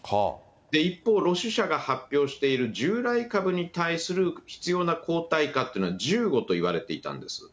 一方、ロシュ社が発表している従来株に対する必要な抗体価っていうのは１５といわれていたんです。